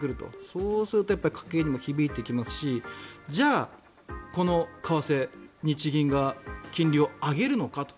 そうすると家計にも響いてきますしじゃあこの為替日銀が金利を上げるのかと。